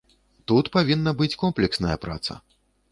Тут павінна быць комплексная праца.